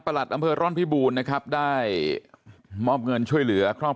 ประหลัดอัมเภอร้อนพิบูลนะครับได้มอบเงินช่วยเหลือคลอด